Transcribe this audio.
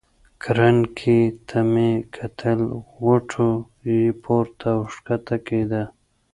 کرنکې ته مې کتل، غوټو یې پورته او کښته کېده.